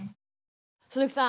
鈴木さん